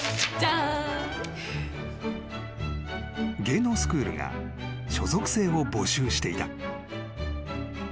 ［芸能スクールが所属生を募集していた］